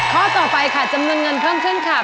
ข้อต่อไปค่ะจำนวนเงินเพิ่มขึ้นค่ะ